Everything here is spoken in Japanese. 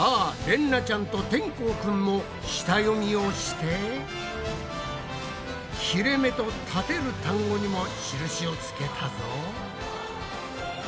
れんなちゃんとてんこうくんも下読みをして切れめとたてる単語にも印をつけたぞ。